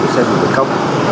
xe dù bến khóc